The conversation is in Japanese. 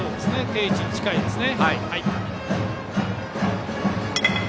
定位置に近いですね。